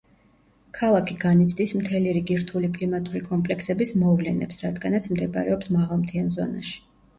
ქალაქი განიცდის მთელ რიგი რთული კლიმატური კომპლექსების მოვლენებს, რადგანაც მდებარეობს მაღალმთიან ზონაში.